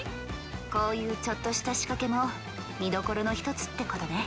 こういうちょっとした仕掛けも見どころの１つってことね。